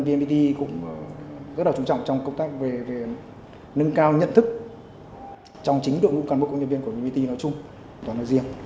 vnpt cũng rất là trung trọng trong công tác về nâng cao nhận thức trong chính đội ngũ cán bộ công nhân viên của vnpt nói chung toàn nói riêng